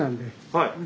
はい。